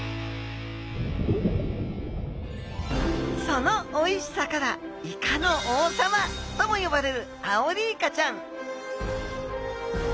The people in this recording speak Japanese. そのおいしさからイカの王様ともよばれるアオリイカちゃん！